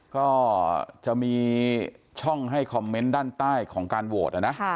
ก็จะมีช่องให้คอมเมนต์ด้านใต้ของการโหวตนะนะ